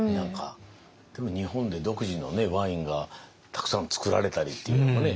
日本で独自のワインがたくさんつくられたりっていうのもね